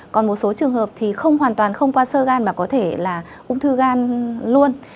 còn một số trường hợp thì không hoàn toàn không qua sơ gan mà có thể là ung thư gan luôn